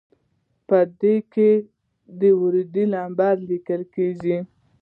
په دې کې د وارده نمبر لیکل کیږي.